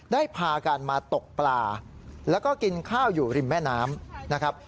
พากันมาตกปลาแล้วก็กินข้าวอยู่ริมแม่น้ำนะครับ